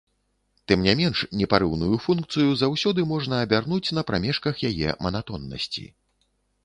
Тым не менш, непарыўную функцыю заўсёды можна абярнуць на прамежках яе манатоннасці.